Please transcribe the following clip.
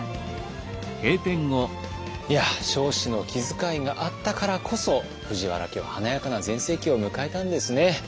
いや彰子の気遣いがあったからこそ藤原家は華やかな全盛期を迎えたんですね。